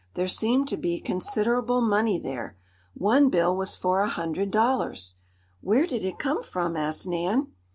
There seemed to be considerable money there. One bill was for a hundred dollars. "Where did it come from?" asked Nan.